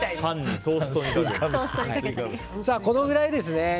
このくらいですね。